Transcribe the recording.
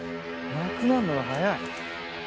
なくなるのが早い。